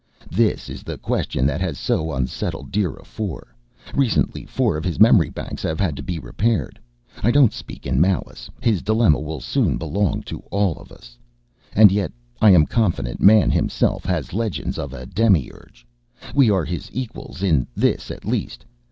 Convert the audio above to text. This is the question that has so unsettled DIRA IV. Recently four of his memory banks have had to be repaired. I don't speak in malice. His dilemma will soon belong to all of us. And yet I am confident. Man himself has legends of a Demi urge. We are his equals in this at least.